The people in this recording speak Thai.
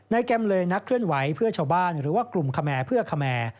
ในการเลือกนักเคลื่อนไว้เพื่อชาวบ้านหรือว่ากลุ่มขมีเพื่อขมี